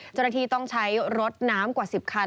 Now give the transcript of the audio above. ฯจนาทีต้องใช้รถน้ำกว่า๑๐คัน